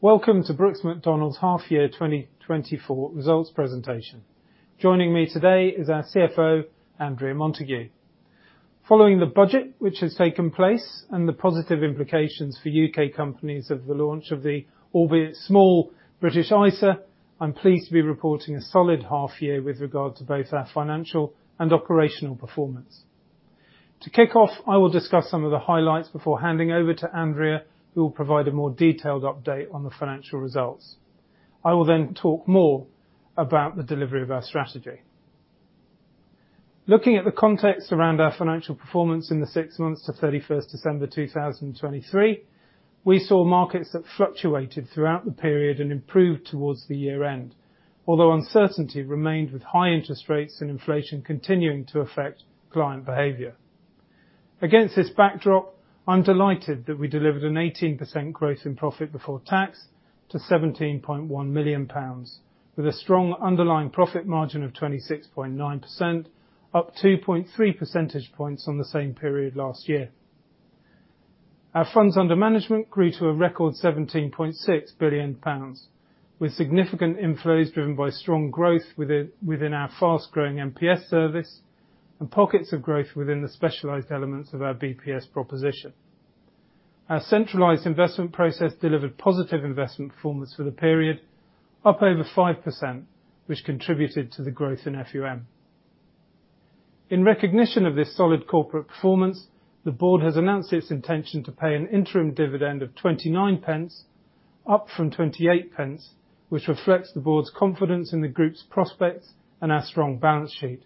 Welcome to Brooks Macdonald's Half Year 2024 Results Presentation. Joining me today is our CFO, Andrea Montague. Following the budget which has taken place and the positive implications for U.K. companies of the launch of the, albeit small, British ISA, I'm pleased to be reporting a solid half year with regard to both our financial and operational performance. To kick off, I will discuss some of the highlights before handing over to Andrea, who will provide a more detailed update on the financial results. I will then talk more about the delivery of our strategy. Looking at the context around our financial performance in the six months to 31st December 2023, we saw markets that fluctuated throughout the period and improved towards the year-end, although uncertainty remained with high interest rates and inflation continuing to affect client behavior. Against this backdrop, I'm delighted that we delivered an 18% growth in profit before tax to 17.1 million pounds, with a strong underlying profit margin of 26.9%, up 2.3 percentage points on the same period last year. Our funds under management grew to a record 17.6 billion pounds, with significant inflows driven by strong growth within our fast-growing MPS service, and pockets of growth within the specialized elements of our BPS proposition. Our centralized investment process delivered positive investment performance for the period, up over 5%, which contributed to the growth in FUM. In recognition of this solid corporate performance, the Board has announced its intention to pay an interim dividend of 0.29, up from 0.28, which reflects the Board's confidence in the Group's prospects and our strong balance sheet.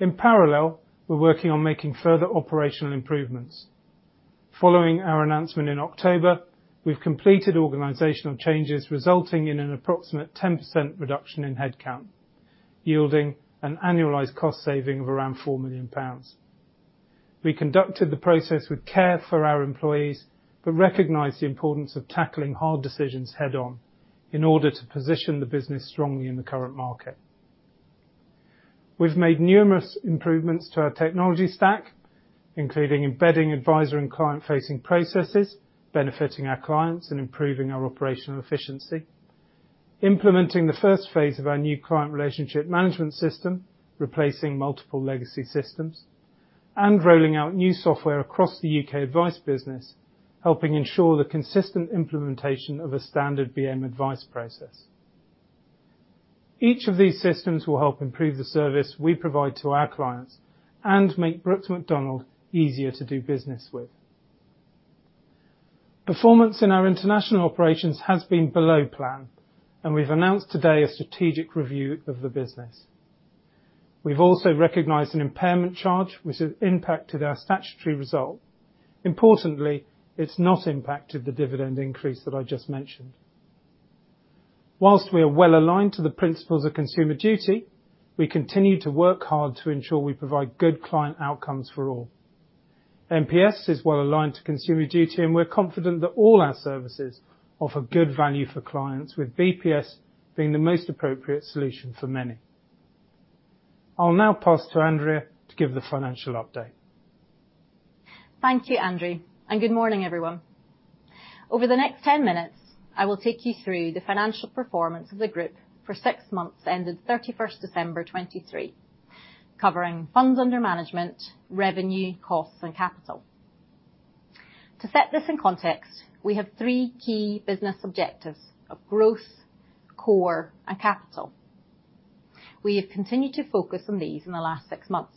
In parallel, we're working on making further operational improvements. Following our announcement in October, we've completed organizational changes resulting in an approximate 10% reduction in headcount, yielding an annualized cost saving of around 4 million pounds. We conducted the process with care for our employees, but recognized the importance of tackling hard decisions head-on, in order to position the business strongly in the current market. We've made numerous improvements to our technology stack, including embedding advisor and client-facing processes, benefiting our clients and improving our operational efficiency, implementing the first phase of our new client relationship management system, replacing multiple legacy systems, and rolling out new software across the U.K. advice business, helping ensure the consistent implementation of a standard BM advice process. Each of these systems will help improve the service we provide to our clients and make Brooks Macdonald easier to do business with. Performance in our international operations has been below plan, and we've announced today a strategic review of the business. We've also recognized an impairment charge which has impacted our statutory result. Importantly, it's not impacted the dividend increase that I just mentioned. While we are well aligned to the principles of Consumer Duty, we continue to work hard to ensure we provide good client outcomes for all. MPS is well aligned to Consumer Duty, and we're confident that all our services offer good value for clients, with BPS being the most appropriate solution for many. I'll now pass to Andrea to give the financial update. Thank you, Andrew, and good morning, everyone. Over the next 10 minutes, I will take you through the financial performance of the Group for six months ended 31st December 2023, covering funds under management, revenue, costs, and capital. To set this in context, we have three key business objectives of growth, core, and capital. We have continued to focus on these in the last six months.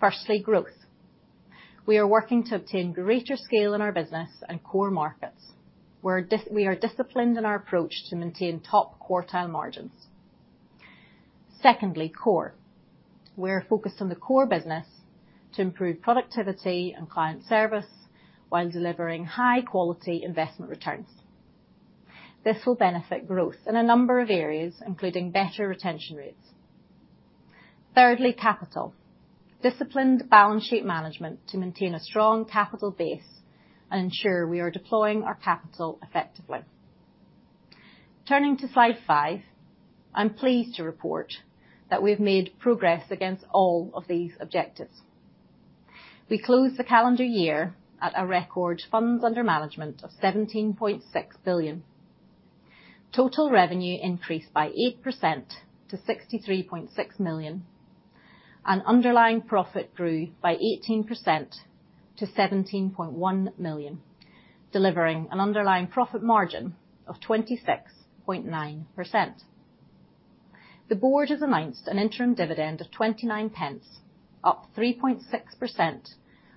Firstly, growth. We are working to obtain greater scale in our business and core markets. We are disciplined in our approach to maintain top quartile margins. Secondly, core. We are focused on the core business to improve productivity and client service while delivering high-quality investment returns. This will benefit growth in a number of areas, including better retention rates. Thirdly, capital. Disciplined balance sheet management to maintain a strong capital base and ensure we are deploying our capital effectively. Turning to slide five, I'm pleased to report that we've made progress against all of these objectives. We closed the calendar year at a record funds under management of 17.6 billion. Total revenue increased by 8% to 63.6 million, and underlying profit grew by 18% to 17.1 million, delivering an underlying profit margin of 26.9%. The Board has announced an interim dividend of 0.29, up 3.6%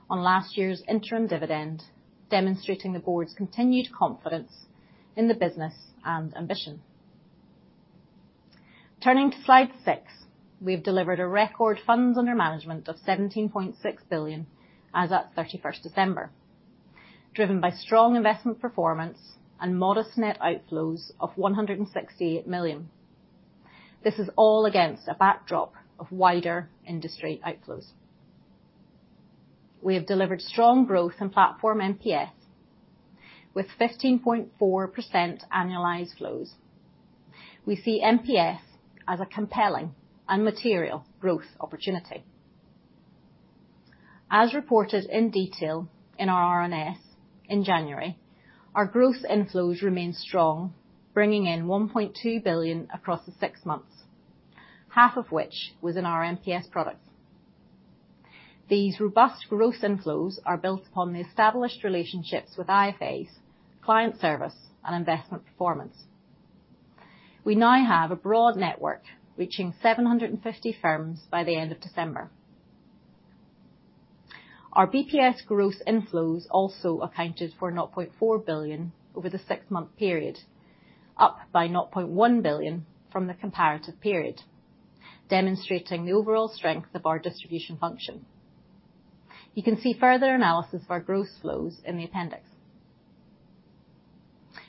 on last year's interim dividend, demonstrating the Board's continued confidence in the business and ambition. Turning to slide six, we've delivered a record funds under management of 17.6 billion as of 31 December, driven by strong investment performance and modest net outflows of 168 million. This is all against a backdrop of wider industry outflows. We have delivered strong growth in platform MPS, with 15.4% annualized flows. We see MPS as a compelling and material growth opportunity. As reported in detail in our RNS in January, our growth inflows remain strong, bringing in 1.2 billion across the six months, half of which was in our MPS products. These robust growth inflows are built upon the established relationships with IFAs, client service, and investment performance. We now have a broad network reaching 750 firms by the end of December. Our BPS growth inflows also accounted for 0.4 billion over the six-month period, up by 0.1 billion from the comparative period, demonstrating the overall strength of our distribution function. You can see further analysis of our growth flows in the appendix.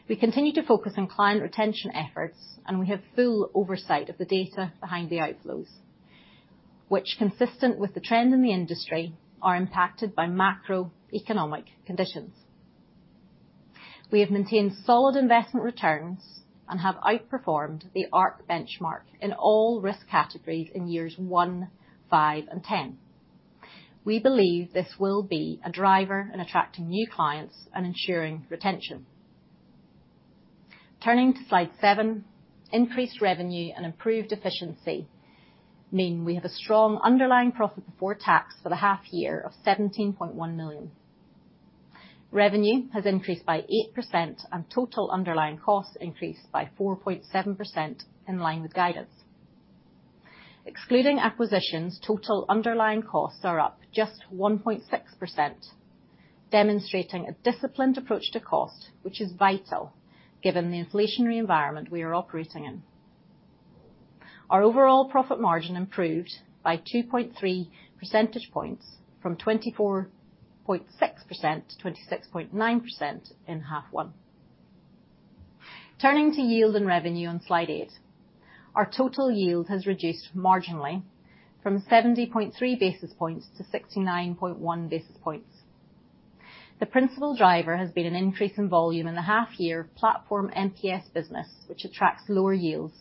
We continue to focus on client retention efforts, and we have full oversight of the data behind the outflows, which, consistent with the trend in the industry, are impacted by macroeconomic conditions. We have maintained solid investment returns and have outperformed the ARC benchmark in all risk categories in years one, five, and ten. We believe this will be a driver in attracting new clients and ensuring retention. Turning to slide seven, increased revenue and improved efficiency mean we have a strong underlying profit before tax for the half year of 17.1 million. Revenue has increased by 8%, and total underlying costs increased by 4.7% in line with guidance. Excluding acquisitions, total underlying costs are up just 1.6%, demonstrating a disciplined approach to cost, which is vital given the inflationary environment we are operating in. Our overall profit margin improved by 2.3 percentage points from 24.6%-26.9% in half one. Turning to yield and revenue on slide eight, our total yield has reduced marginally from 70.3 basis points to 69.1 basis points. The principal driver has been an increase in volume in the half year of platform MPS business, which attracts lower yields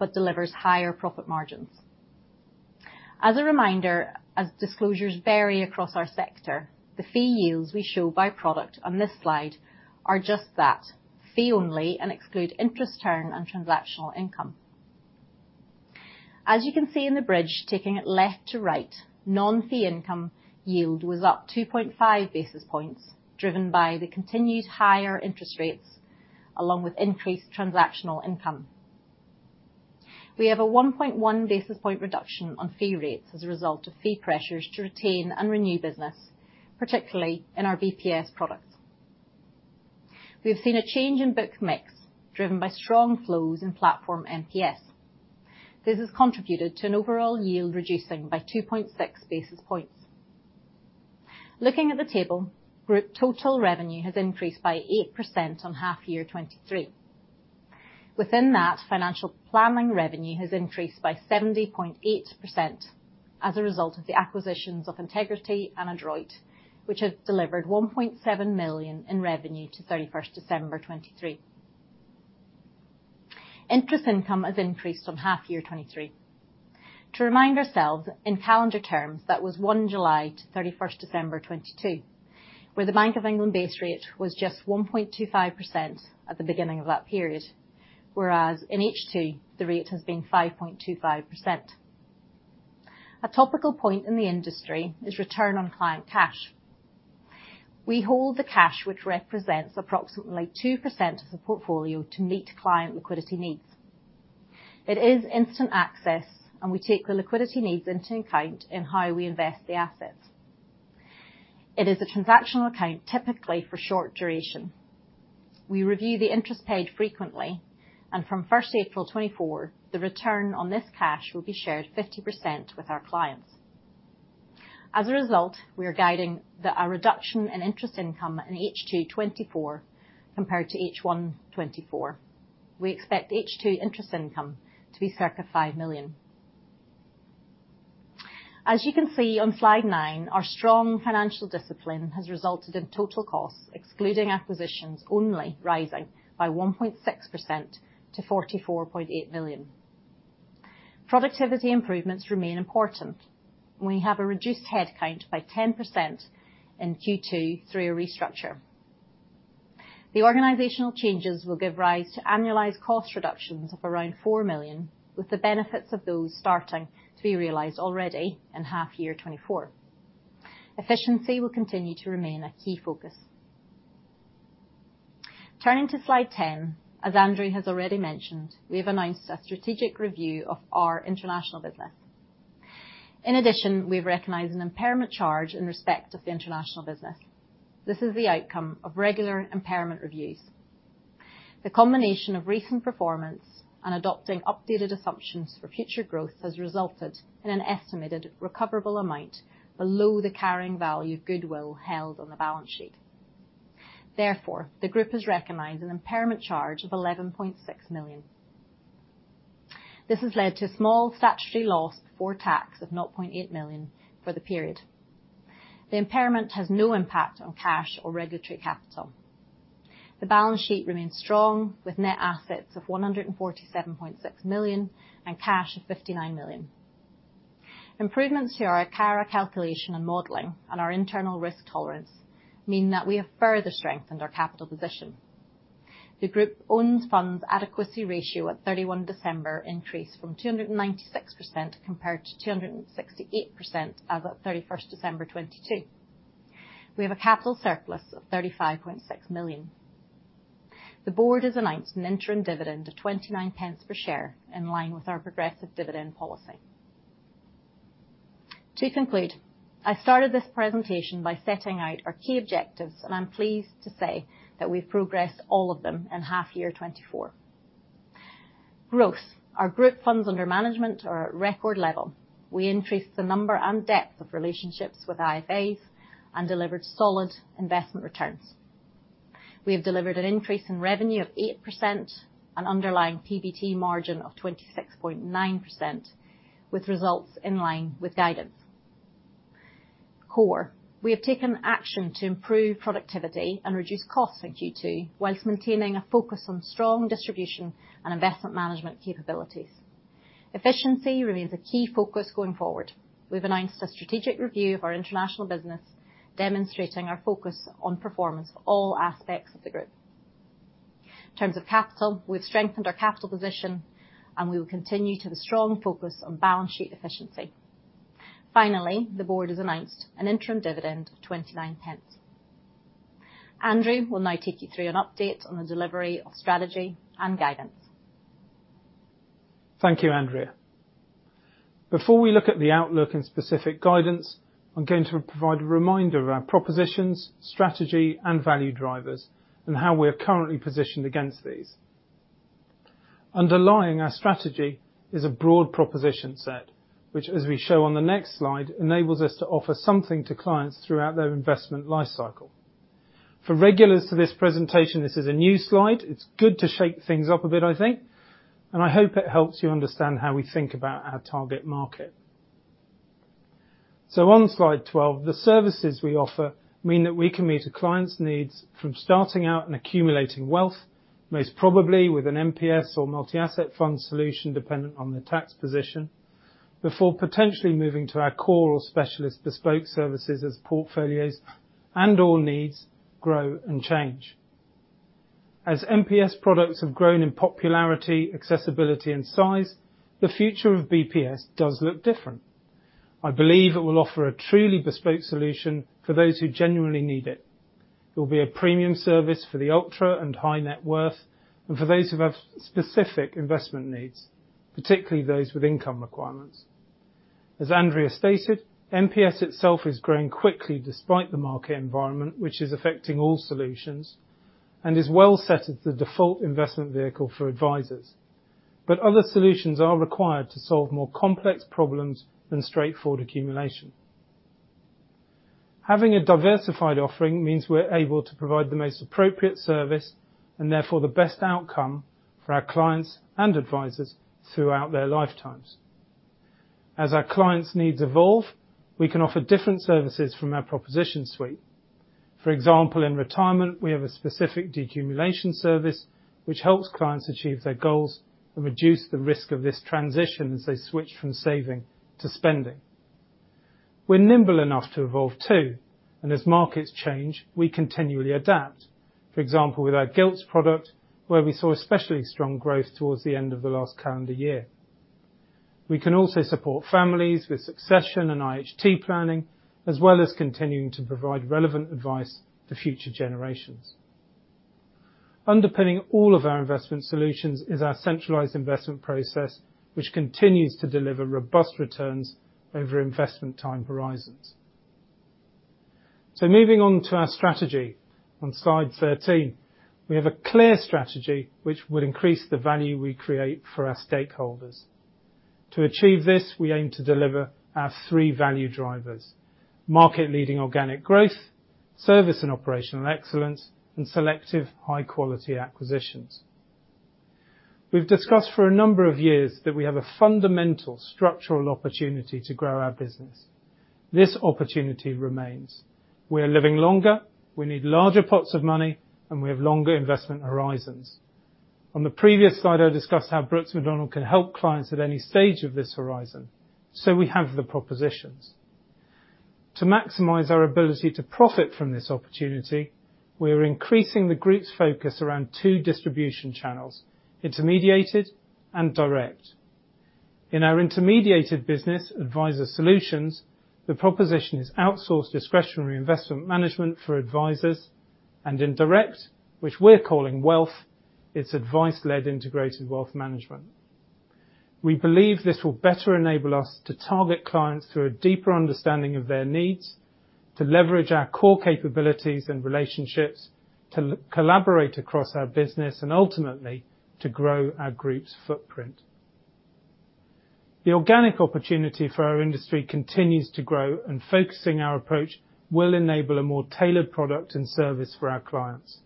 but delivers higher profit margins. As a reminder, as disclosures vary across our sector, the fee yields we show by product on this slide are just that: fee-only and exclude interest turn and transactional income. As you can see in the bridge taking it left to right, non-fee income yield was up 2.5 basis points, driven by the continued higher interest rates along with increased transactional income. We have a 1.1 basis point reduction on fee rates as a result of fee pressures to retain and renew business, particularly in our BPS products. We have seen a change in book mix driven by strong flows in platform MPS. This has contributed to an overall yield reducing by 2.6 basis points. Looking at the table, Group total revenue has increased by 8% on half year 2023. Within that, financial planning revenue has increased by 70.8% as a result of the acquisitions of Integrity and Adroit, which have delivered 1.7 million in revenue to 31st December 2023. Interest income has increased on half year 2023. To remind ourselves, in calendar terms, that was 1 July to 31st December 2022, where the Bank of England base rate was just 1.25% at the beginning of that period, whereas in H2 the rate has been 5.25%. A topical point in the industry is return on client cash. We hold the cash, which represents approximately 2% of the portfolio, to meet client liquidity needs. It is instant access, and we take the liquidity needs into account in how we invest the assets. It is a transactional account, typically for short duration. We review the interest paid frequently, and from 1st April 2024, the return on this cash will be shared 50% with our clients. As a result, we are guiding a reduction in interest income in H2 2024 compared to H1 2024. We expect H2 interest income to be circa 5 million. As you can see on slide nine, our strong financial discipline has resulted in total costs, excluding acquisitions only, rising by 1.6% to 44.8 million. Productivity improvements remain important. We have a reduced headcount by 10% in Q2 through a restructure. The organizational changes will give rise to annualized cost reductions of around 4 million, with the benefits of those starting to be realized already in half year 2024. Efficiency will continue to remain a key focus. Turning to slide 10, as Andrew has already mentioned, we have announced a strategic review of our international business. In addition, we've recognized an impairment charge in respect of the international business. This is the outcome of regular impairment reviews. The combination of recent performance and adopting updated assumptions for future growth has resulted in an estimated recoverable amount below the carrying value of goodwill held on the balance sheet. Therefore, the Group has recognized an impairment charge of 11.6 million. This has led to a small statutory loss before tax of 0.8 million for the period. The impairment has no impact on cash or regulatory capital. The balance sheet remains strong, with net assets of 147.6 million and cash of 59 million. Improvements to our ICARA calculation and modeling and our internal risk tolerance mean that we have further strengthened our capital position. The Group's own funds adequacy ratio at 31 December increased from 296% compared to 268% as of 31st December 2022. We have a capital surplus of 35.6 million. The Board has announced an interim dividend of 0.29 per share, in line with our progressive dividend policy. To conclude, I started this presentation by setting out our key objectives, and I'm pleased to say that we've progressed all of them in half year 2024. Growth. Our Group funds under management are at record level. We increased the number and depth of relationships with IFAs and delivered solid investment returns. We have delivered an increase in revenue of 8%, an underlying PBT margin of 26.9%, with results in line with guidance. Core. We have taken action to improve productivity and reduce costs in Q2 while maintaining a focus on strong distribution and investment management capabilities. Efficiency remains a key focus going forward. We've announced a strategic review of our international business, demonstrating our focus on performance for all aspects of the Group. In terms of capital, we've strengthened our capital position, and we will continue to have a strong focus on balance sheet efficiency. Finally, the Board has announced an interim dividend of 0.29. Andrew will now take you through an update on the delivery of strategy and guidance. Thank you, Andrea. Before we look at the outlook and specific guidance, I'm going to provide a reminder of our propositions, strategy, and value drivers, and how we are currently positioned against these. Underlying our strategy is a broad proposition set, which, as we show on the next slide, enables us to offer something to clients throughout their investment lifecycle. For regulars to this presentation, this is a new slide. It's good to shake things up a bit, I think, and I hope it helps you understand how we think about our target market. So, on slide 12, the services we offer mean that we can meet a client's needs from starting out and accumulating wealth, most probably with an MPS or multi-asset fund solution dependent on their tax position, before potentially moving to our core or specialist bespoke services as portfolios and/or needs grow and change. As MPS products have grown in popularity, accessibility, and size, the future of BPS does look different. I believe it will offer a truly bespoke solution for those who genuinely need it. It will be a premium service for the ultra and high net worth and for those who have specific investment needs, particularly those with income requirements. As Andrea stated, MPS itself is growing quickly despite the market environment, which is affecting all solutions, and is well set as the default investment vehicle for advisors. But other solutions are required to solve more complex problems than straightforward accumulation. Having a diversified offering means we're able to provide the most appropriate service and, therefore, the best outcome for our clients and advisors throughout their lifetimes. As our clients' needs evolve, we can offer different services from our proposition suite. For example, in retirement, we have a specific decumulation service, which helps clients achieve their goals and reduce the risk of this transition as they switch from saving to spending. We're nimble enough to evolve too, and as markets change, we continually adapt. For example, with our gilts product, where we saw especially strong growth toward the end of the last calendar year. We can also support families with succession and IHT planning, as well as continuing to provide relevant advice to future generations. Underpinning all of our investment solutions is our centralized investment process, which continues to deliver robust returns over investment time horizons. So, moving on to our strategy, on slide 13, we have a clear strategy which will increase the value we create for our stakeholders. To achieve this, we aim to deliver our three value drivers: market-leading organic growth, service and operational excellence, and selective, high-quality acquisitions. We've discussed for a number of years that we have a fundamental structural opportunity to grow our business. This opportunity remains. We are living longer, we need larger pots of money, and we have longer investment horizons. On the previous slide, I discussed how Brooks Macdonald can help clients at any stage of this horizon, so we have the propositions. To maximize our ability to profit from this opportunity, we are increasing the Group's focus around two distribution channels: intermediated and direct. In our intermediated business, Advisor Solutions, the proposition is outsourced discretionary investment management for advisors, and in direct, which we're calling wealth, it's advice-led integrated wealth management. We believe this will better enable us to target clients through a deeper understanding of their needs, to leverage our core capabilities and relationships, to collaborate across our business, and ultimately to grow our Group's footprint. The organic opportunity for our industry continues to grow, and focusing our approach will enable a more tailored product and service for our clients.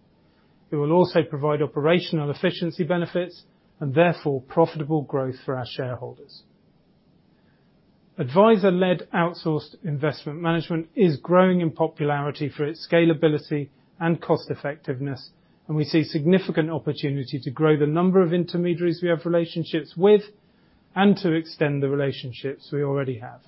It will also provide operational efficiency benefits and, therefore, profitable growth for our shareholders. Advisor-led outsourced investment management is growing in popularity for its scalability and cost-effectiveness, and we see significant opportunity to grow the number of intermediaries we have relationships with and to extend the relationships we already have.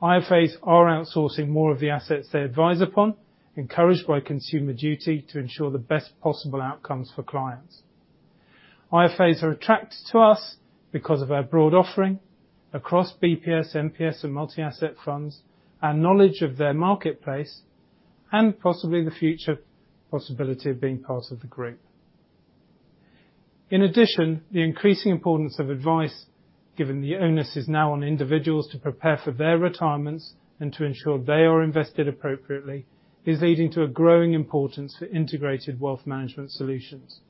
IFAs are outsourcing more of the assets they advise upon, encouraged by Consumer Duty to ensure the best possible outcomes for clients. IFAs are attracted to us because of our broad offering across BPS, MPS, and multi-asset funds, our knowledge of their marketplace, and possibly the future possibility of being part of the Group. In addition, the increasing importance of advice, given the onus is now on individuals to prepare for their retirements and to ensure they are invested appropriately, is leading to a growing importance for integrated wealth management solutions.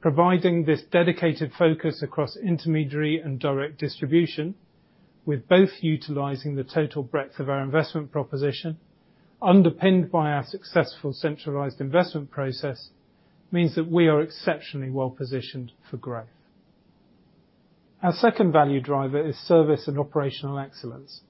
Providing this dedicated focus across intermediary and direct distribution, with both utilizing the total breadth of our investment proposition, underpinned by our successful centralized investment process, means that we are exceptionally well positioned for growth. Our second value driver is service and operational excellence.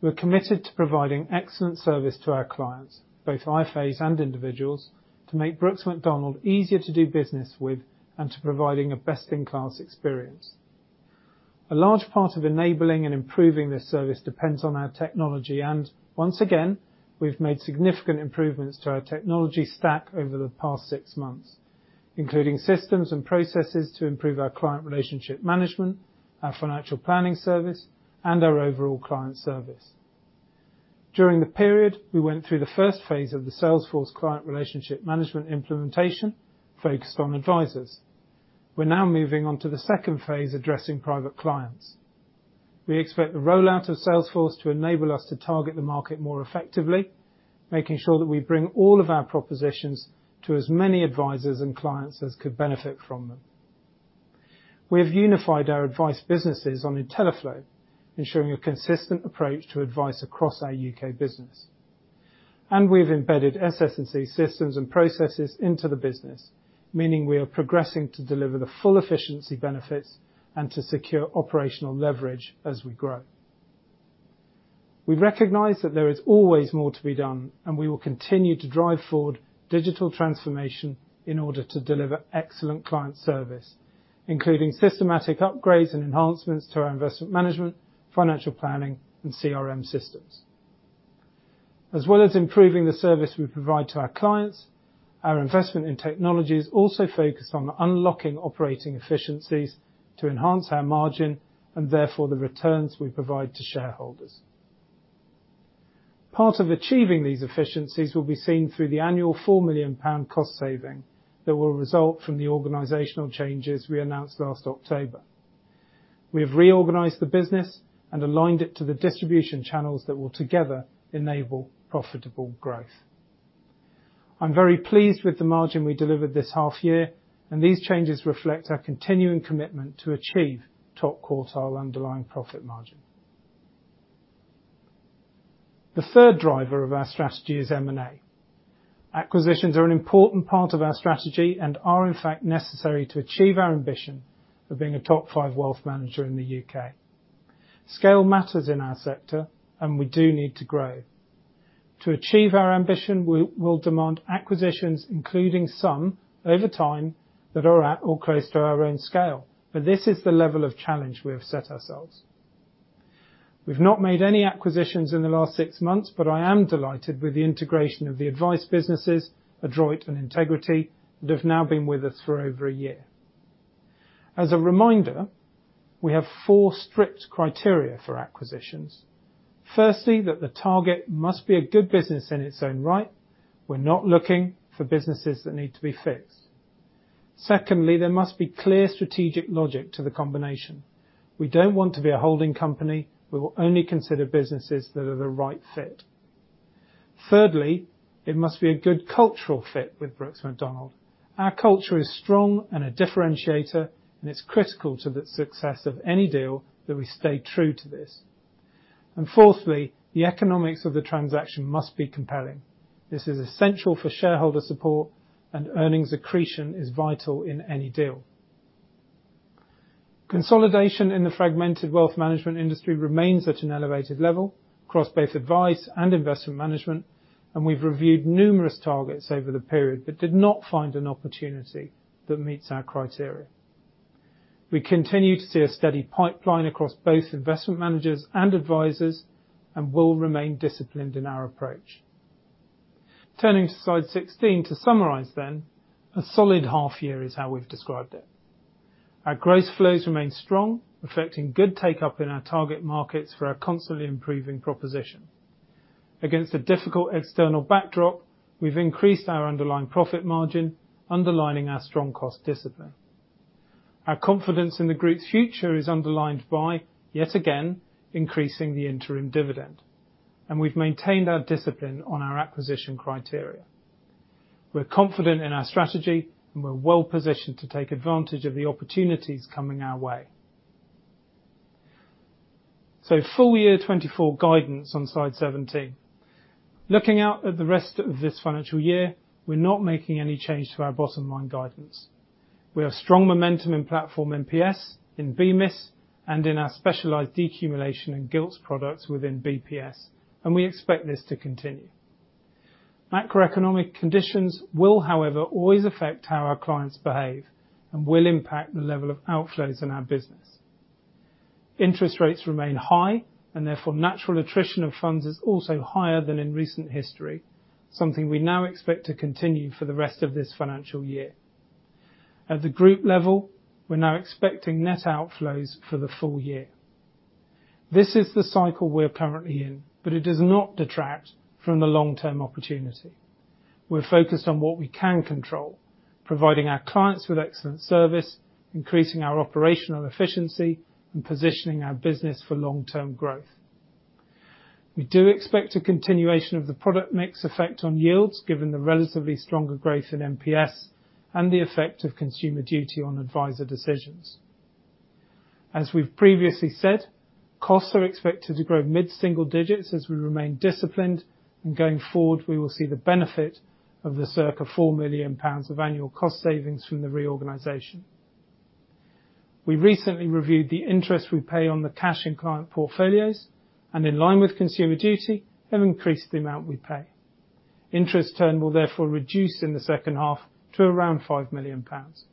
We're committed to providing excellent service to our clients, both IFAs and individuals, to make Brooks Macdonald easier to do business with and to providing a best-in-class experience. A large part of enabling and improving this service depends on our technology, and once again, we've made significant improvements to our technology stack over the past six months, including systems and processes to improve our client relationship management, our financial planning service, and our overall client service. During the period, we went through the first phase of the Salesforce client relationship management implementation, focused on advisors. We're now moving on to the second phase, addressing private clients. We expect the rollout of Salesforce to enable us to target the market more effectively, making sure that we bring all of our propositions to as many advisors and clients as could benefit from them. We have unified our advice businesses on Intelliflo, ensuring a consistent approach to advice across our U.K. business. We have embedded SS&C systems and processes into the business, meaning we are progressing to deliver the full efficiency benefits and to secure operational leverage as we grow. We recognize that there is always more to be done, and we will continue to drive forward digital transformation in order to deliver excellent client service, including systematic upgrades and enhancements to our investment management, financial planning, and CRM systems. As well as improving the service we provide to our clients, our investment in technology is also focused on unlocking operating efficiencies to enhance our margin and, therefore, the returns we provide to shareholders. Part of achieving these efficiencies will be seen through the annual 4 million pound cost saving that will result from the organizational changes we announced last October. We have reorganized the business and aligned it to the distribution channels that will, together, enable profitable growth. I'm very pleased with the margin we delivered this half year, and these changes reflect our continuing commitment to achieve top quartile underlying profit margin. The third driver of our strategy is M&A. Acquisitions are an important part of our strategy and are, in fact, necessary to achieve our ambition of being a top 5 wealth manager in the U.K. Scale matters in our sector, and we do need to grow. To achieve our ambition, we will demand acquisitions, including some, over time, that are at or close to our own scale, but this is the level of challenge we have set ourselves. We've not made any acquisitions in the last six months, but I am delighted with the integration of the advice businesses, Adroit and Integrity, that have now been with us for over a year. As a reminder, we have four strict criteria for acquisitions. Firstly, that the target must be a good business in its own right. We're not looking for businesses that need to be fixed. Secondly, there must be clear strategic logic to the combination. We don't want to be a holding company. We will only consider businesses that are the right fit. Thirdly, it must be a good cultural fit with Brooks Macdonald. Our culture is strong and a differentiator, and it's critical to the success of any deal that we stay true to this. And fourthly, the economics of the transaction must be compelling. This is essential for shareholder support, and earnings accretion is vital in any deal. Consolidation in the fragmented wealth management industry remains at an elevated level across both advice and investment management, and we've reviewed numerous targets over the period but did not find an opportunity that meets our criteria. We continue to see a steady pipeline across both investment managers and advisors, and will remain disciplined in our approach. Turning to slide 16, to summarize then, a solid half year is how we've described it. Our gross flows remain strong, affecting good take-up in our target markets for our constantly improving proposition. Against a difficult external backdrop, we've increased our underlying profit margin, underlining our strong cost discipline. Our confidence in the Group's future is underlined by, yet again, increasing the interim dividend, and we've maintained our discipline on our acquisition criteria. We're confident in our strategy, and we're well positioned to take advantage of the opportunities coming our way. Full year 2024 guidance on slide 17. Looking out at the rest of this financial year, we're not making any change to our bottom line guidance. We have strong momentum in platform MPS, in BMIS, and in our specialized decumulation and Gilts products within BPS, and we expect this to continue. Macroeconomic conditions will, however, always affect how our clients behave and will impact the level of outflows in our business. Interest rates remain high, and therefore, natural attrition of funds is also higher than in recent history, something we now expect to continue for the rest of this financial year. At the Group level, we're now expecting net outflows for the full year. This is the cycle we're currently in, but it does not detract from the long-term opportunity. We're focused on what we can control, providing our clients with excellent service, increasing our operational efficiency, and positioning our business for long-term growth. We do expect a continuation of the product mix effect on yields, given the relatively stronger growth in MPS and the effect of Consumer Duty on advisor decisions. As we've previously said, costs are expected to grow mid-single digits as we remain disciplined, and going forward, we will see the benefit of the circa 4 million pounds of annual cost savings from the reorganization. We recently reviewed the interest we pay on the cash in client portfolios, and in line with Consumer Duty, have increased the amount we pay. Interest turn will, therefore, reduce in the second half to around 5 million pounds.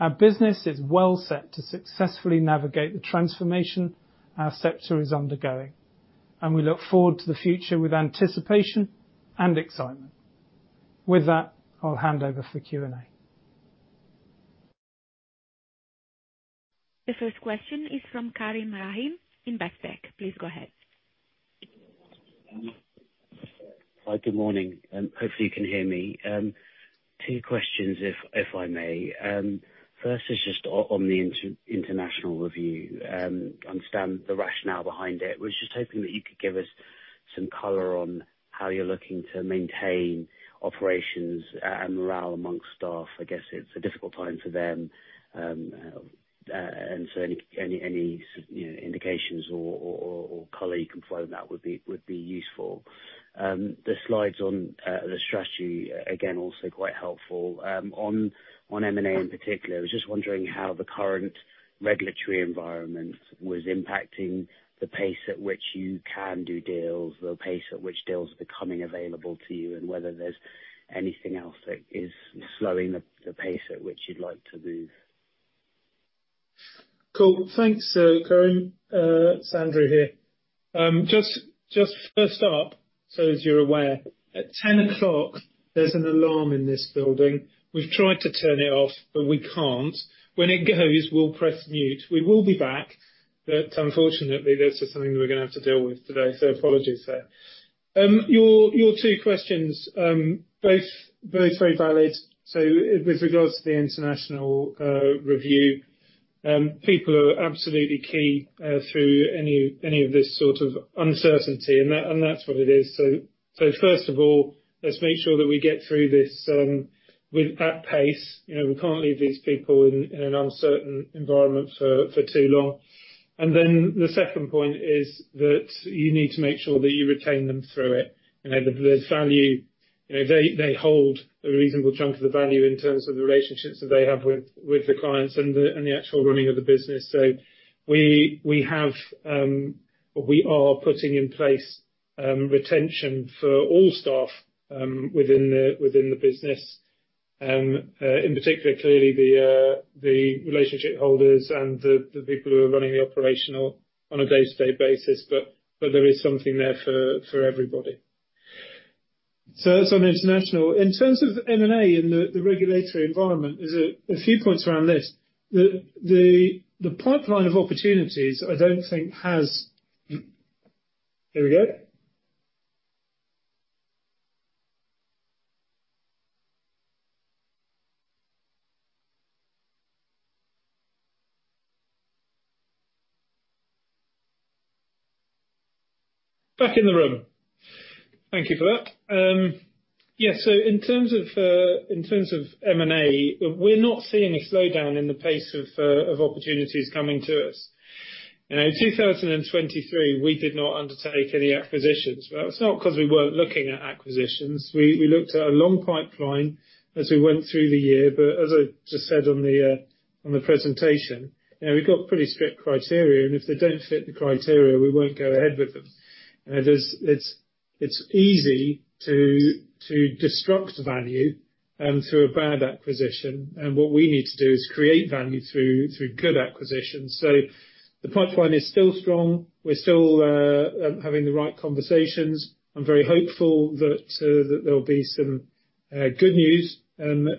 Our business is well set to successfully navigate the transformation our sector is undergoing, and we look forward to the future with anticipation and excitement. With that, I'll hand over for Q&A. The first question is from Rahim Karim at Investec. Please go ahead. Hi, good morning. Hopefully, you can hear me. Two questions, if I may. First is just on the international review, understand the rationale behind it. We're just hoping that you could give us some color on how you're looking to maintain operations and morale amongst staff. I guess it's a difficult time for them, and so any indications or color you can provide that would be useful. The slides on the strategy, again, also quite helpful. On M&A in particular, I was just wondering how the current regulatory environment was impacting the pace at which you can do deals, the pace at which deals are becoming available to you, and whether there's anything else that is slowing the pace at which you'd like to move. Cool. Thanks, Karim. It's Andrew here. Just first up, so as you're aware, at 10 o'clock, there's an alarm in this building. We've tried to turn it off, but we can't. When it goes, we'll press mute. We will be back, but unfortunately, that's just something that we're going to have to deal with today, so apologies there. Your two questions, both very valid. So, with regards to the international review, people are absolutely key through any of this sort of uncertainty, and that's what it is. So, first of all, let's make sure that we get through this at pace. We can't leave these people in an uncertain environment for too long. And then the second point is that you need to make sure that you retain them through it. There's value. They hold a reasonable chunk of the value in terms of the relationships that they have with the clients and the actual running of the business. So, we have or we are putting in place retention for all staff within the business, in particular, clearly, the relationship holders and the people who are running the operation on a day-to-day basis, but there is something there for everybody. So, that's on the international. In terms of M&A and the regulatory environment, a few points around this. The pipeline of opportunities, I don't think, has here we go. Back in the room. Thank you for that. Yeah, so in terms of M&A, we're not seeing a slowdown in the pace of opportunities coming to us. In 2023, we did not undertake any acquisitions, but that was not because we weren't looking at acquisitions. We looked at a long pipeline as we went through the year, but as I just said on the presentation, we've got pretty strict criteria, and if they don't fit the criteria, we won't go ahead with them. It's easy to destroy value through a bad acquisition, and what we need to do is create value through good acquisitions. So, the pipeline is still strong. We're still having the right conversations. I'm very hopeful that there'll be some good news over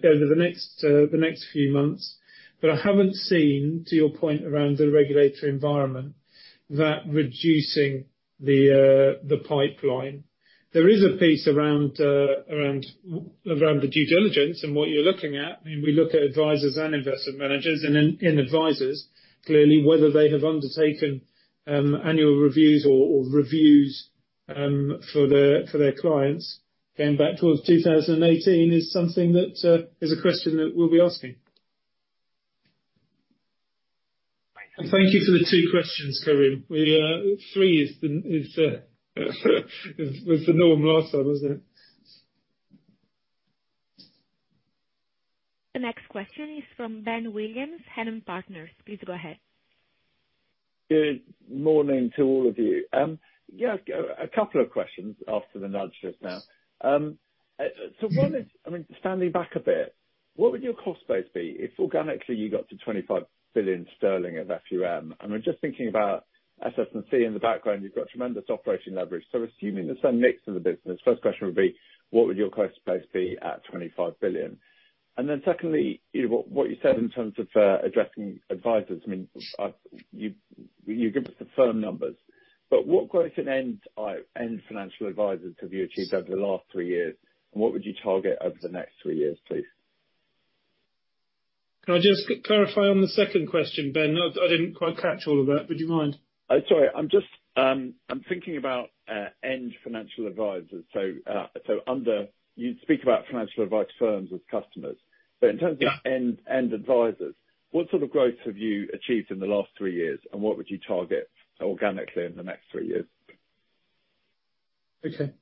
the next few months, but I haven't seen, to your point around the regulatory environment, that reducing the pipeline. There is a piece around the due diligence and what you're looking at. We look at advisors and investment managers, and in advisors, clearly, whether they have undertaken annual reviews or reviews for their clients. Going back towards 2018 is something that is a question that we'll be asking. Thank you for the two questions, Rahim. Three was the norm last time, wasn't it? The next question is from Ben Williams, Liberum. Please go ahead. Good morning to all of you. Yeah, a couple of questions after the nudge just now. So, one is, standing back a bit, what would your cost base be if organically you got to 25 billion sterling at FUM? I'm just thinking about SS&C in the background. You've got tremendous operating leverage, so assuming the same mix of the business, first question would be, what would your cost base be at 25 billion? And then secondly, what you said in terms of adviser numbers, you give us the firm numbers, but what gross and net financial advisors have you achieved over the last three years, and what would you target over the next three years, please? Can I just clarify on the second question, Ben? I didn't quite catch all of that. Would you mind? Sorry. I'm thinking about independent financial advisers. So, you speak about financial advice firms as customers, but in terms of end advisers, what sort of growth have you achieved in the last three years, and what would you target organically in the next three years? Okay.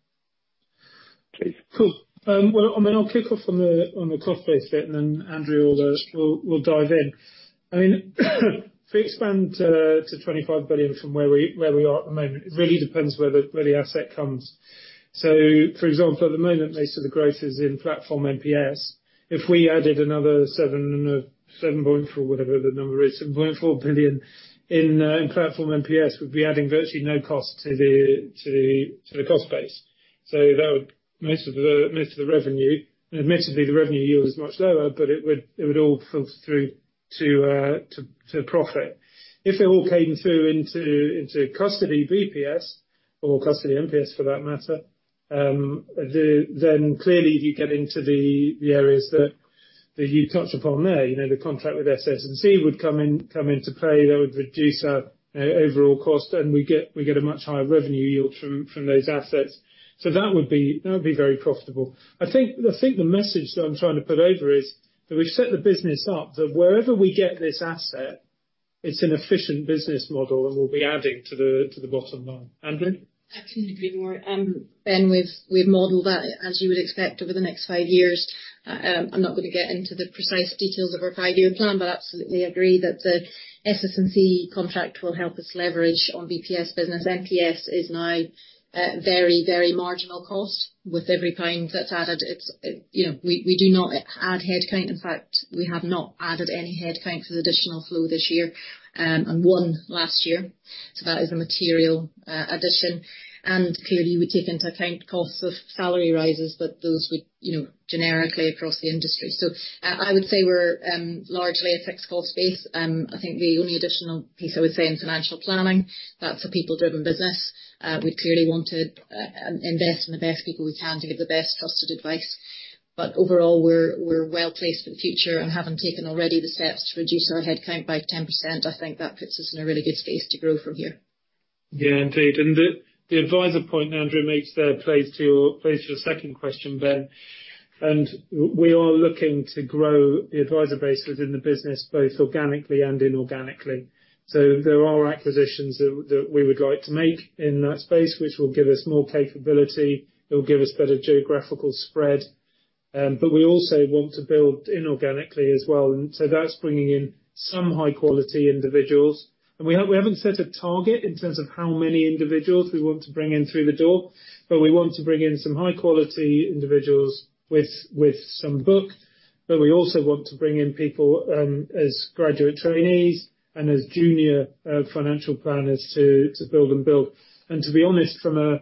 Please. Cool. Well, I'll kick off on the cost base bit, and then Andrea, we'll dive in. I mean, if we expand to 25 billion from where we are at the moment, it really depends where the asset comes. So, for example, at the moment, most of the growth is in platform MPS. If we added another 7.4, whatever the number is, 7.4 billion in platform MPS, we'd be adding virtually no cost to the cost base. So, that would most of the revenue and admittedly, the revenue yield is much lower, but it would all filter through to profit. If it all came through into custody BPS, or custody MPS for that matter, then clearly, you get into the areas that you touch upon there. The contract with SS&C would come into play. That would reduce our overall cost, and we get a much higher revenue yield from those assets. So, that would be very profitable. I think the message that I'm trying to put over is that we've set the business up that wherever we get this asset, it's an efficient business model that we'll be adding to the bottom line. Andrew? I can't agree more. Ben, we've modeled that as you would expect over the next five years. I'm not going to get into the precise details of our five-year plan, but absolutely agree that the SS&C contract will help us leverage on BPS business. MPS is now very, very marginal cost. With every pound that's added, we do not add headcount. In fact, we have not added any headcount for the additional flow this year and one last year. So, that is a material addition. And clearly, you would take into account costs of salary rises, but those would generically across the industry. So, I would say we're largely a fixed cost base. I think the only additional piece, I would say, in financial planning, that's a people-driven business. We'd clearly want to invest in the best people we can to give the best trusted advice. But overall, we're well placed for the future and haven't taken already the steps to reduce our headcount by 10%. I think that puts us in a really good space to grow from here. Yeah, indeed. And the adviser point, Andrea, plays into your second question, Ben. And we are looking to grow the adviser base within the business both organically and inorganically. So, there are acquisitions that we would like to make in that space, which will give us more capability. It will give us better geographical spread. But we also want to grow inorganically as well. And so, that's bringing in some high-quality individuals. And we haven't set a target in terms of how many individuals we want to bring in through the door, but we want to bring in some high-quality individuals with some book. But we also want to bring in people as graduate trainees and as junior financial planners to build and build. And to be honest, from a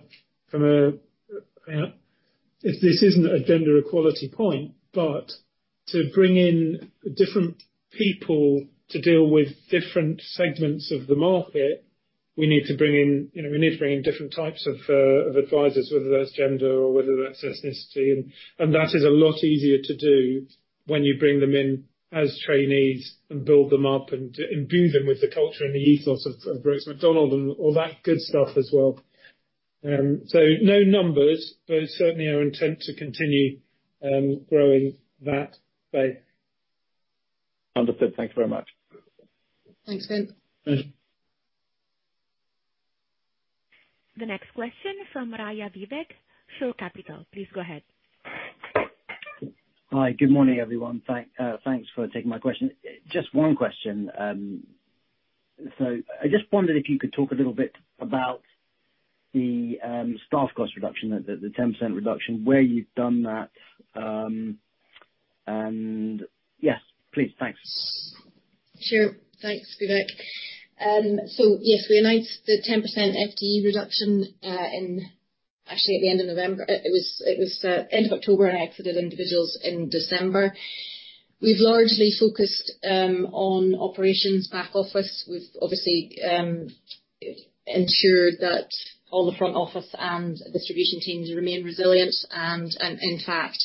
if this isn't a gender equality point, but to bring in different people to deal with different segments of the market, we need to bring in different types of advisors, whether that's gender or whether that's ethnicity. And that is a lot easier to do when you bring them in as trainees and build them up and imbue them with the culture and the ethos of Brooks Macdonald and all that good stuff as well. So, no numbers, but certainly our intent to continue growing that space. Understood. Thanks very much. Thanks, Ben. The next question from Raja Vivek, Shore Capital. Please go ahead. Hi. Good morning, everyone. Thanks for taking my question. Just one question. So, I just wondered if you could talk a little bit about the staff cost reduction, the 10% reduction, where you've done that. And yes, please. Thanks. Sure. Thanks, Vivek. So, yes, we announced the 10% FTE reduction actually at the end of November. It was end of October, and I exited individuals in December. We've largely focused on operations back office. We've obviously ensured that all the front office and distribution teams remain resilient and, in fact,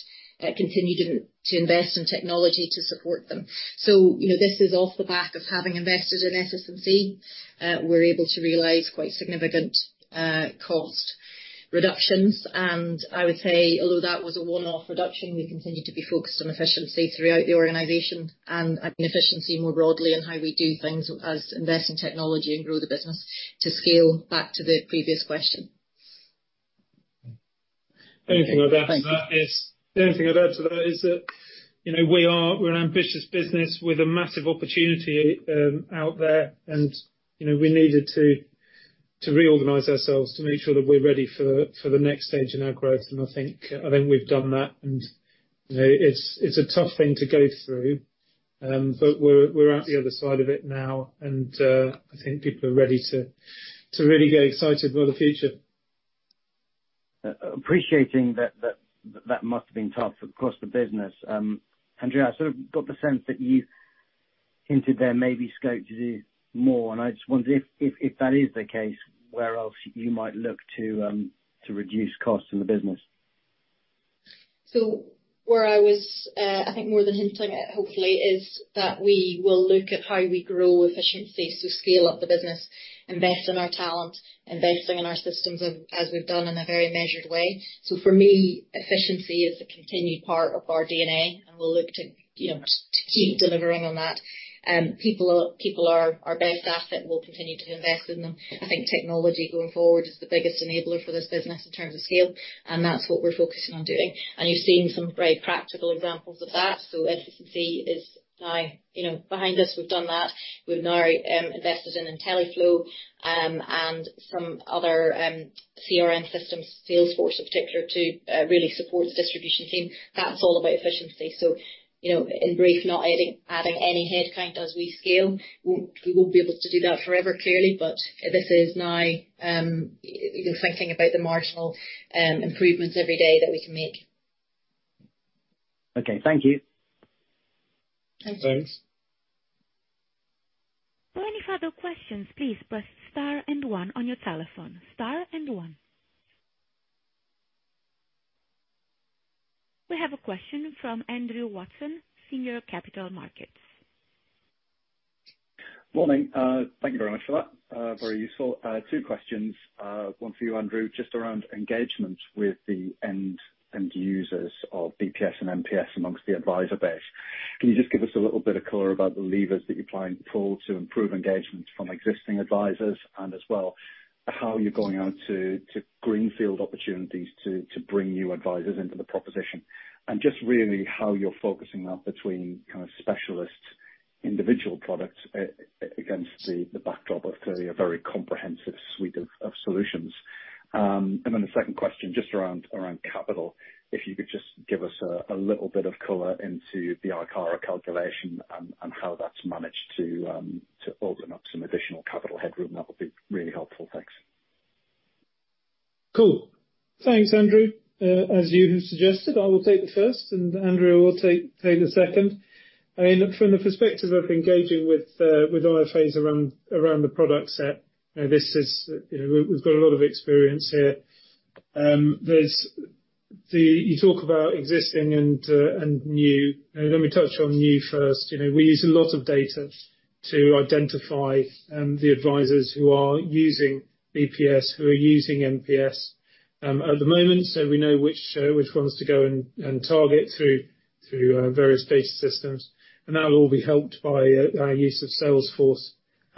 continued to invest in technology to support them. So, this is off the back of having invested in SS&C. We're able to realize quite significant cost reductions. And I would say, although that was a one-off reduction, we continue to be focused on efficiency throughout the organization and efficiency more broadly in how we do things as invest in technology and grow the business to scale. Back to the previous question. Anything I'd add to that is that we're an ambitious business with a massive opportunity out there, and we needed to reorganize ourselves to make sure that we're ready for the next stage in our growth. I think we've done that, and it's a tough thing to go through, but we're at the other side of it now, and I think people are ready to really get excited about the future. Appreciating that that must have been tough across the business. Andrea, I sort of got the sense that you hinted there may be scope to do more, and I just wondered if that is the case, where else you might look to reduce costs in the business. Where I was, I think, more than hinting at, hopefully, is that we will look at how we grow efficiency to scale up the business, invest in our talent, investing in our systems as we've done in a very measured way. For me, efficiency is a continued part of our DNA, and we'll look to keep delivering on that. People are our best asset. We'll continue to invest in them. I think technology going forward is the biggest enabler for this business in terms of scale, and that's what we're focusing on doing. You've seen some very practical examples of that. SS&C is now behind us. We've done that. We've now invested in Intelliflo and some other CRM systems, Salesforce in particular, to really support the distribution team. That's all about efficiency. In brief, not adding any headcount as we scale. We won't be able to do that forever, clearly, but this is now thinking about the marginal improvements every day that we can make. Okay. Thank you. Thanks. Thanks. For any further questions, please press star and one on your telephone. Star and one. We have a question from Andrew Watson, Singer Capital Markets. Morning. Thank you very much for that. Very useful. Two questions. One for you, Andrew, just around engagement with the end users of BPS and MPS amongst the advisor base. Can you just give us a little bit of colour about the levers that you're trying to pull to improve engagement from existing advisors and as well how you're going out to greenfield opportunities to bring new advisors into the proposition, and just really how you're focusing that between kind of specialist individual products against the backdrop of clearly a very comprehensive suite of solutions? And then the second question, just around capital, if you could just give us a little bit of color into the ICARA calculation and how that's managed to open up some additional capital headroom. That would be really helpful. Thanks. Cool. Thanks, Andrew. As you have suggested, I will take the first, and Andrew will take the second. I mean, from the perspective of engaging with IFAs around the product set, this is, we've got a lot of experience here. You talk about existing and new. Let me touch on new first. We use a lot of data to identify the advisors who are using BPS, who are using MPS at the moment, so we know which ones to go and target through various data systems. And that will all be helped by our use of Salesforce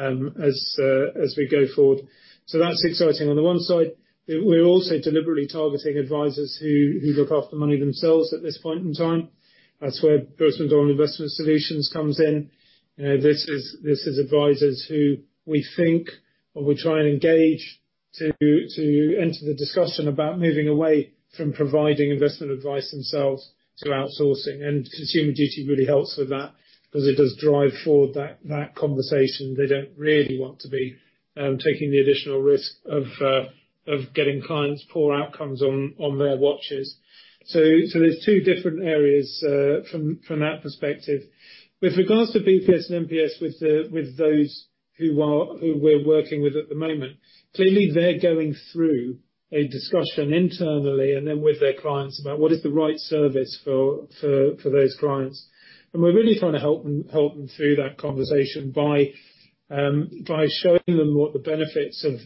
as we go forward. So, that's exciting on the one side. We're also deliberately targeting advisers who look after money themselves at this point in time. That's where Brooks Macdonald Investment Solutions comes in. This is advisers who we think, or we try and engage to enter the discussion about moving away from providing investment advice themselves to outsourcing. Consumer Duty really helps with that because it does drive forward that conversation. They don't really want to be taking the additional risk of getting clients' poor outcomes on their watches. So, there's two different areas from that perspective. With regards to BPS and MPS, with those who we're working with at the moment, clearly, they're going through a discussion internally and then with their clients about what is the right service for those clients. We're really trying to help them through that conversation by showing them what the benefits of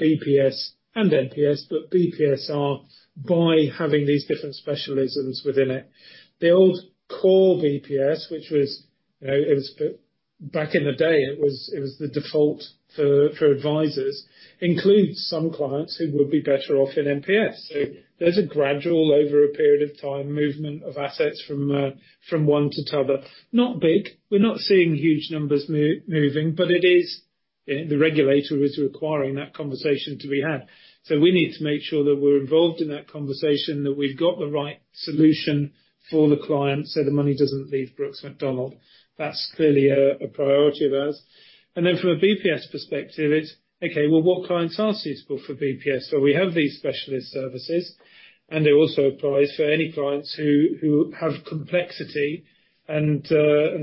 BPS and MPS, but BPS are, by having these different specialisms within it. The old core BPS, which was back in the day, it was the default for advisors, includes some clients who would be better off in MPS. So, there's a gradual over a period of time movement of assets from one to the other. Not big. We're not seeing huge numbers moving, but the regulator is requiring that conversation to be had. So, we need to make sure that we're involved in that conversation, that we've got the right solution for the client so the money doesn't leave Brooks Macdonald. That's clearly a priority of ours. And then from a BPS perspective, it's, "Okay. Well, what clients are suitable for BPS?" Well, we have these specialist services, and they also apply for any clients who have complexity and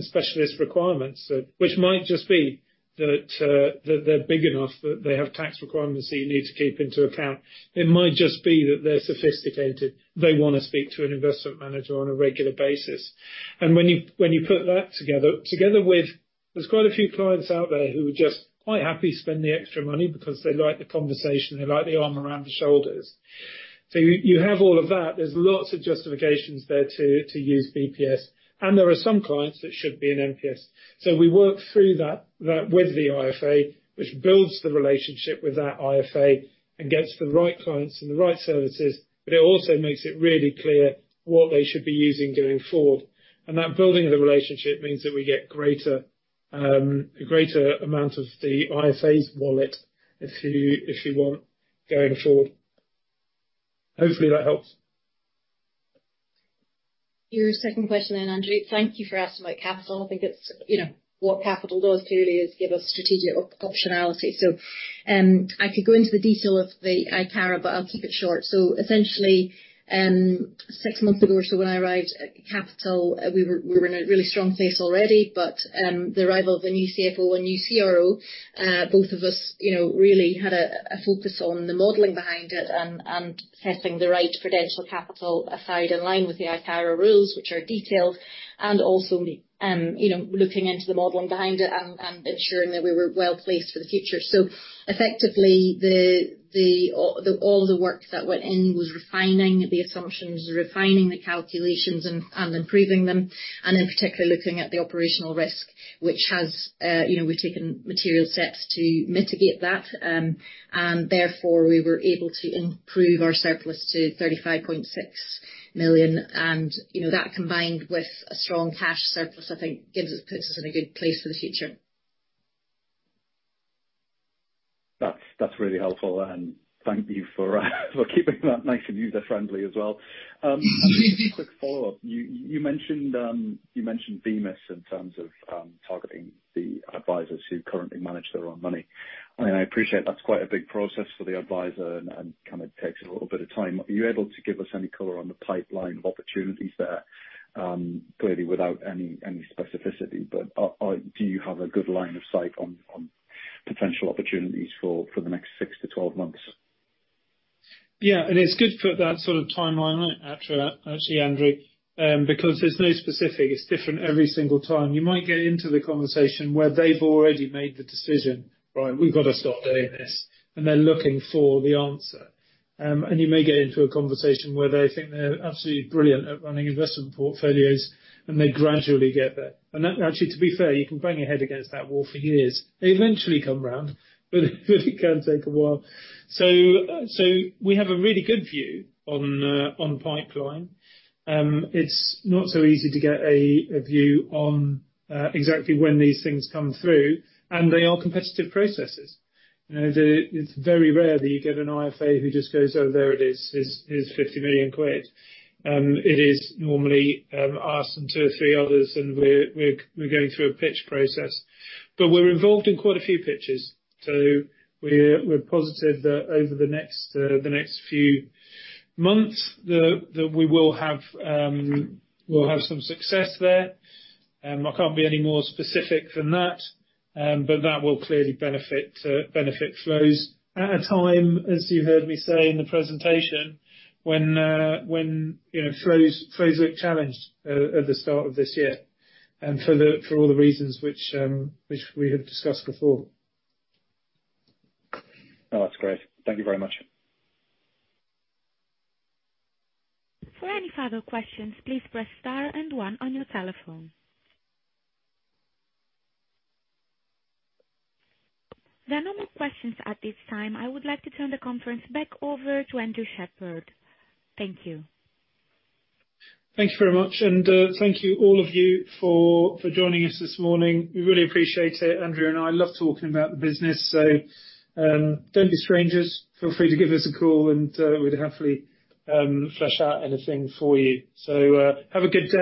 specialist requirements, which might just be that they're big enough that they have tax requirements that you need to keep into account. It might just be that they're sophisticated. They want to speak to an investment manager on a regular basis. And when you put that together with there's quite a few clients out there who are just quite happy to spend the extra money because they like the conversation. They like the arm around the shoulders. So, you have all of that. There's lots of justifications there to use BPS. And there are some clients that should be in MPS. So, we work through that with the IFA, which builds the relationship with that IFA and gets the right clients and the right services, but it also makes it really clear what they should be using going forward. And that building of the relationship means that we get a greater amount of the IFA's wallet, if you want, going forward. Hopefully, that helps. Your second question then, Andrew. Thank you for asking about capital. I think what capital does clearly is give us strategic optionality. So, I could go into the detail of the ICARA, but I'll keep it short. So, essentially, six months ago, or so when I arrived at capital, we were in a really strong place already. But the arrival of the new CFO and new CRO, both of us really had a focus on the modelling behind it and setting the right prudential capital aside in line with the ICARA rules, which are detailed, and also looking into the modelling behind it and ensuring that we were well placed for the future. So, effectively, all of the work that went in was refining the assumptions, refining the calculations, and improving them, and in particular, looking at the operational risk, which we've taken material steps to mitigate that. And therefore, we were able to improve our surplus to 35.6 million. And that combined with a strong cash surplus, I think, puts us in a good place for the future. That's really helpful. And thank you for keeping that nice and user-friendly as well. Just a quick follow-up. You mentioned BMIS in terms of targeting the advisors who currently manage their own money. I mean, I appreciate that's quite a big process for the advisor and kind of takes a little bit of time. Are you able to give us any color on the pipeline of opportunities there, clearly, without any specificity? But do you have a good line of sight on potential opportunities for the next 6-12 months? Yeah. And it's good for that sort of timeline, actually, Andrew, because there's no specific. It's different every single time. You might get into the conversation where they've already made the decision, "Right. We've got to stop doing this," and they're looking for the answer. And you may get into a conversation where they think they're absolutely brilliant at running investment portfolios, and they gradually get there. Actually, to be fair, you can bang your head against that wall for years. They eventually come round, but it can take a while. So, we have a really good view on the pipeline. It's not so easy to get a view on exactly when these things come through, and they are competitive processes. It's very rare that you get an IFA who just goes, "Oh, there it is. Here's 50 million quid." It is normally us and two or three others, and we're going through a pitch process. But we're involved in quite a few pitches. So, we're positive that over the next few months, we will have some success there. I can't be any more specific than that, but that will clearly benefit Flows. At a time, as you heard me say in the presentation, when flows look challenged at the start of this year for all the reasons which we have discussed before. Oh, that's great. Thank you very much. For any further questions, please press star and one on your telephone. There are no more questions at this time. I would like to turn the conference back over to Andrew Shepherd. Thank you. Thank you very much. Thank you all of you for joining us this morning. We really appreciate it, Andrew and I. Love talking about the business, so don't be strangers. Feel free to give us a call, and we'd happily flesh out anything for you. So, have a good day.